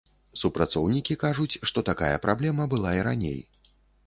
Супрацоўнікі кажуць, што такая праблема была і раней.